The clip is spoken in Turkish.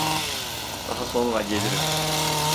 Daha sonra gelirim.